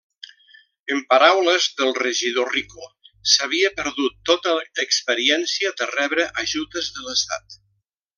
En paraules del regidor Rico: s'havia perdut tota experiència de rebre ajudes de l'Estat.